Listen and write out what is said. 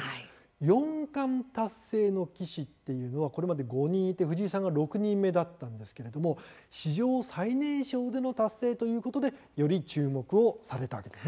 四冠達成の棋士というのはこれまで５人いて藤井さんが６人目だったんですけれども史上最年少での達成ということでより注目をされたわけです。